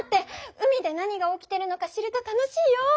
海で何が起きてるのか知ると楽しいよ！